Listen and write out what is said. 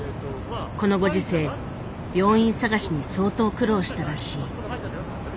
このご時世病院探しに相当苦労したらしい。